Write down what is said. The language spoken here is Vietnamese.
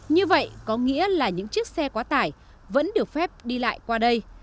như vậy có nghĩa là những chiếc xe quá tải vẫn được phép đi lại qua đây